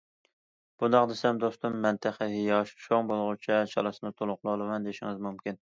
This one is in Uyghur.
بۇنداق دېسەم، دوستۇم،‹‹ مەن تېخى ياش، چوڭ بولغۇچە چالىسىنى تولۇقلىۋالىمەن›› دېيىشىڭىز مۇمكىن.